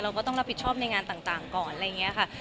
ก็ต้องรับผิดชอบในงานต่างก่อนอะไรอย่างนี้ค่ะ